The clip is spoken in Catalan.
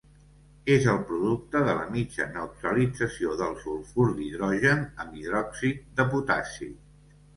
És el producte de la mitja neutralització del sulfur d'hidrogen amb hidròxid de potassi.